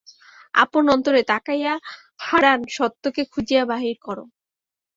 আপন অন্তরে তাকাইয়া হারান সত্যকে খুঁজিয়া বাহির কর।